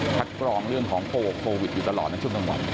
ถัดกรองเรื่องของโฟวิคโฟวิคอยู่ตลอดนั้นชั่วโมงวัน